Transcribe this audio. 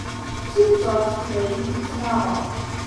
D tidet ɣef teqbaylit i tettnaɣeḍ?